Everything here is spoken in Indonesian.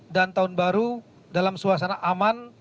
dan tahun baru dalam suasana aman